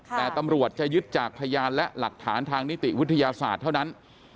แต่ตำรวจจะยึดจากพยานและหลักฐานทางนิติวิทยาศาสตร์เท่านั้น